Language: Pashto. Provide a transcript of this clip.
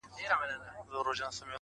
هغه سندري د باروتو او لمبو ويلې!.